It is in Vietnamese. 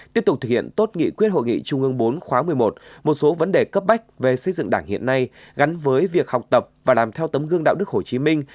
tiếp tục thực hiện tốt nghị quyết hội nghị trung ương bốn khóa một mươi một một số vấn đề cấp bách về xây dựng đảng hiện nay gắn với việc học tập và làm theo tấm gương đạo đức hồ chí minh